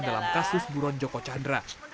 dalam kasus buron joko chandra